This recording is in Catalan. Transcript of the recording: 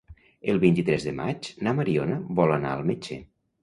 El vint-i-tres de maig na Mariona vol anar al metge.